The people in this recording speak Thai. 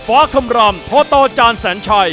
ฟ้าคำรามโทตรจานแสนชัย